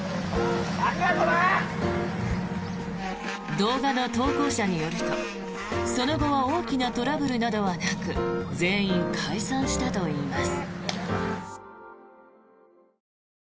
動画の投稿者によるとその後は大きなトラブルなどはなく全員解散したといいます。